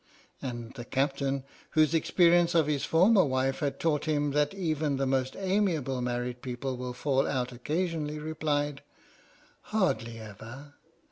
And the Captain, whose experience of his former wife had taught him that even the most amiable married people will fall out occasionally, replied: Hardly ever!